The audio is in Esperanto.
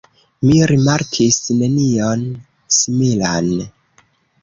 Mi rimarkis nenion similan.